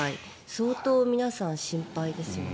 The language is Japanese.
相当皆さん心配ですよね。